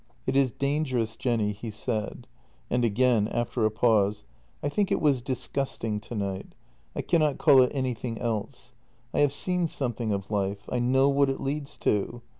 " It is dangerous, Jenny," he said, and again after a pause: " I think it was disgusting tonight — I cannot call it anything else. I have seen something of life; I know what it leads to.